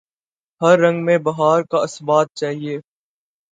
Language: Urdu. ہر رنگ میں بہار کا اثبات چاہیے